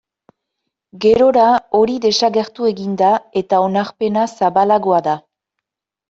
Gerora hori desagertu egin da eta onarpena zabalagoa da.